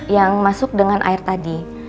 yang masuk dengan air tadi